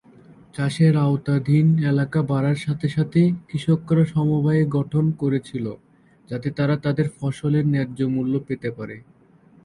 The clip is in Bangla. চাষের আওতাধীন এলাকা বাড়ার সাথে সাথে, কৃষকরা সমবায় গঠন করেছিল যাতে তারা তাদের ফসলের ন্যায্য মূল্য পেতে পারে।